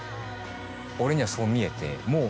俺にはそう見えてもう。